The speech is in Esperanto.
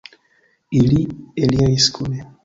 Ili eliris kune.